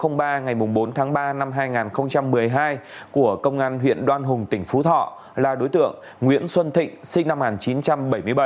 ngày bốn tháng ba năm hai nghìn một mươi hai của công an huyện đoan hùng tỉnh phú thọ là đối tượng nguyễn xuân thịnh sinh năm một nghìn chín trăm bảy mươi bảy